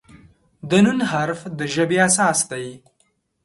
د "ن" حرف د ژبې اساس دی.